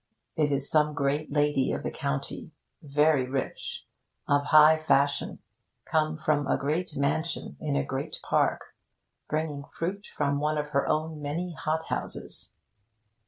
It is some great lady of the county, very rich, of high fashion, come from a great mansion in a great park, bringing fruit from one of her own many hot houses.